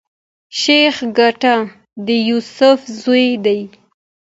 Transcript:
شېخ ګټه د يوسف زوی دﺉ.